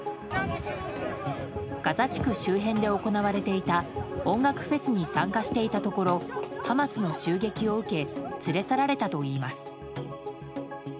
ガザ地区周辺で行われていた音楽フェスに参加していたところハマスの襲撃を受け連れ去られたといいます。